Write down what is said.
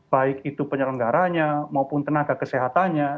baik itu penyelenggaranya maupun tenaga kesehatannya